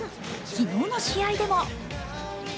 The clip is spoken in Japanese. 昨日の試合でも。